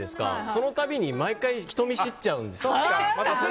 その度に、毎回人見知っちゃうんですよ。